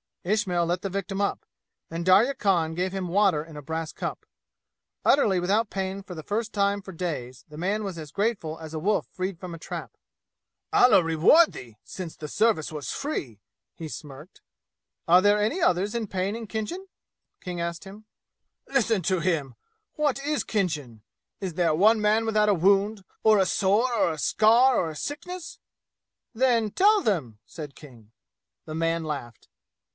Ismail let the victim up, and Darya Khan gave him water in a brass cup. Utterly without pain for the first time for days, the man was as grateful as a wolf freed from a trap. "Allah reward thee, since the service was free!" he smirked. "Are there any others in pain in Khinjan?" King asked him. "Listen to him! What is Khinjan? Is there one man without a wound or a sore or a scar or a sickness?" "Then, tell them," said King. The man laughed.